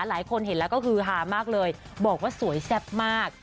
หลายคนเห็นแล้วก็คือหามากเลยบอกว่าสวยแซ่บมาก